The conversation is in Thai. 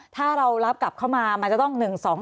ถ้าเรารับกลับเข้ามามันจะต้อง๑๒๒